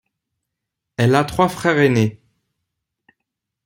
Elle a trois frères aînés.